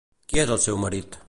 Qui és el seu marit?